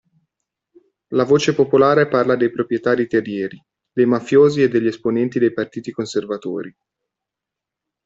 La voce popolare parla dei proprietari terrieri, dei mafiosi e degli esponenti dei partiti conservatori.